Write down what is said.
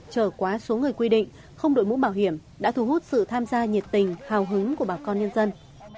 trở quá số người quy định không đội mũ bảo hiểm đã thu hút sự tham gia nhiệt tình hào hứng của bà con nhân dân